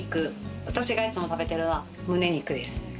私がいつも食べてるのは胸肉です。